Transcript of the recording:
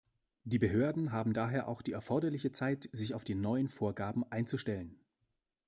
Die Behörden haben daher auch die erforderliche Zeit, sich auf die neuen Vorgaben einzustellen.